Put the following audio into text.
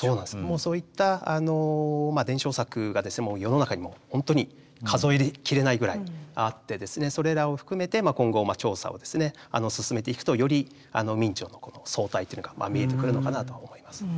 もうそういった伝承作がもう世の中にも本当に数えきれないぐらいあってそれらを含めて今後調査を進めていくとより明兆のこの総体というのが見えてくるのかなと思います。